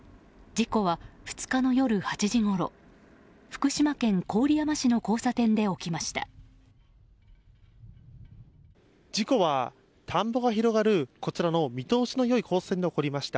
事故は２日の夜８時ごろ福島県郡山市の交差点で起きました。